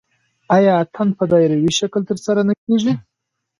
آیا اتن په دایروي شکل ترسره نه کیږي؟